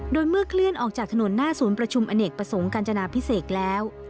โดยเมื่อเคลื่อนออกจากถนนหน้าศูนย์ประชุมอเนกประสงค์กัญจนาพิเศษแล้ว